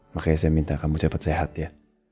makanya saya minta kamu cepat sehat ya